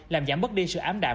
làm giảm bất đi sự ám đạm